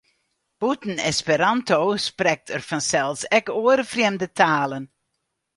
Bûten Esperanto sprekt er fansels ek oare frjemde talen.